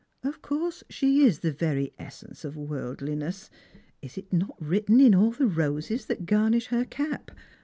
Of course she is the very essence of worldli ncss. Is it not written in all the roses that garnish her cap